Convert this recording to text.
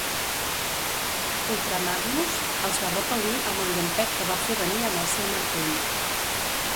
Ultra Magnus els va repel·lir amb el llampec que va fer venir amb el seu martell.